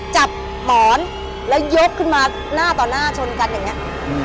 จับหมอนแล้วยกขึ้นมาหน้าต่อหน้าชนกันอย่างนี้